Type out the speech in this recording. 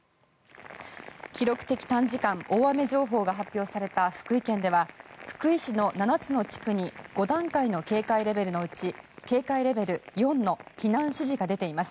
記録的短時間大雨情報が発表された福井県では福井市の７つの地区に５段階の警戒レベルのうち警戒レベル４の避難指示が出ています。